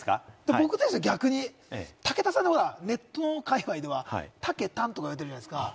僕は逆に武田さんってネット界隈では「たけたん」って呼ばれてるじゃないですか。